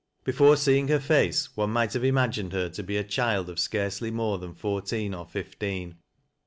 Before seeing her face one might have imagined her to be a child of scarcely more than fom teen or fifteen.